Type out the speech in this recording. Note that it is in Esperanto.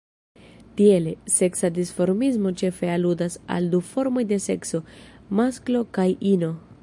Tiele, seksa dimorfismo ĉefe aludas al du formoj de sekso, masklo kaj ino.